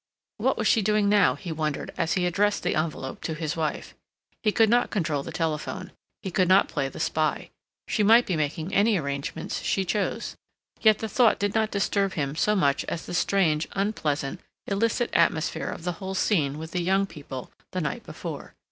What was she doing now, he wondered, as he addressed the envelope to his wife. He could not control the telephone. He could not play the spy. She might be making any arrangements she chose. Yet the thought did not disturb him so much as the strange, unpleasant, illicit atmosphere of the whole scene with the young people the night before.